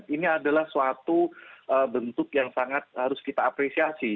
ini adalah suatu bentuk yang sangat harus kita apresiasi